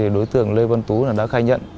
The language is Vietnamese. đối tượng lê văn tú đã khai nhận